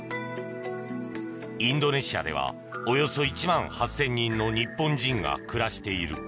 インドネシアではおよそ１万８０００人の日本人が暮らしている。